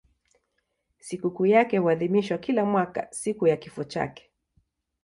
Sikukuu yake huadhimishwa kila mwaka siku ya kifo chake.